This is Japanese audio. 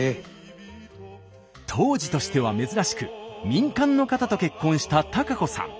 当時としては珍しく民間の方と結婚した貴子さん。